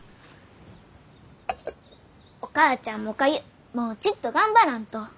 お母ちゃんもおかゆもうちっと頑張らんと。